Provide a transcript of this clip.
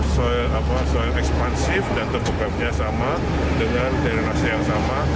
soil ekspansif dan terbuka punya sama dengan drainase yang sama